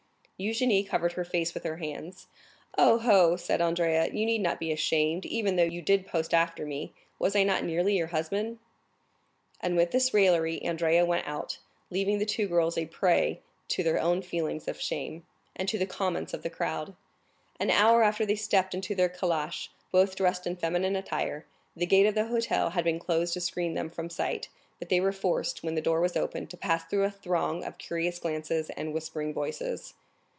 Eugénie covered her face with her hands. "Oh, oh!" said Andrea, "you need not be ashamed, even though you did post after me. Was I not nearly your husband?" 50056m And with this raillery Andrea went out, leaving the two girls a prey to their own feelings of shame, and to the comments of the crowd. An hour after they stepped into their calash, both dressed in feminine attire. The gate of the hotel had been closed to screen them from sight, but they were forced, when the door was open, to pass through a throng of curious glances and whispering voices.